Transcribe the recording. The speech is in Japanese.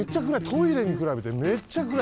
トイレにくらべてめっちゃくらい。